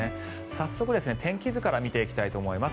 早速、天気図から見ていきたいと思います。